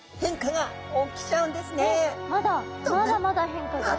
まだまだまだ変化が？